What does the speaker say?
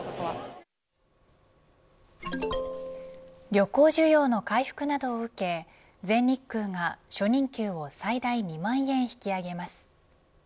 旅行需要の回復などを受け全日空が初任給を最大２万円引き上げます。